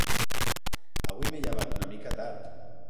avui m'he llevat una mica tard